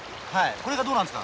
これがどうなるんですか？